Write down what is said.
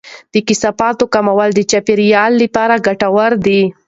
د کثافاتو کمول د چاپیریال لپاره ګټور دی.